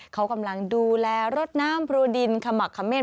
เขากำลังดูแลรถน้ำพรูดินขมักเขม่น